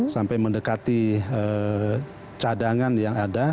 sampai mendekati cadangan yang ada